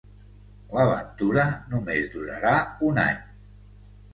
L'aventura només durarà un any.